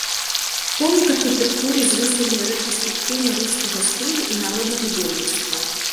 Помнік архітэктуры з рысамі рэтраспектыўна-рускага стылю і народнага дойлідства.